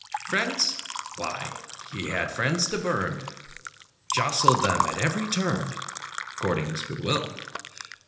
Friends? Why, he had friends to burn; Jostled them at every turn. Courting his good will.